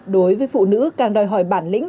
đối với phụ nữ càng đòi hỏi bản lĩnh